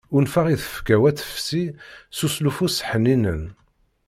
Unfeɣ i tfekka-w ad tefsi s uslufu-s ḥninen.